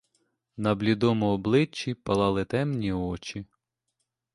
На блідому обличчі палали темні очі.